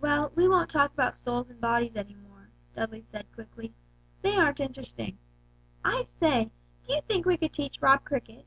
"Well, we won't talk about souls and bodies any more," Dudley said, quickly, "they aren't interesting. I say, do you think we could teach Rob cricket?"